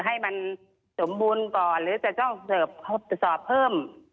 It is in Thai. ให้มันสมมุติต่อหรือจะต้องเซิบสอบเพิ่ม